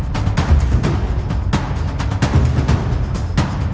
วันเท่าวัน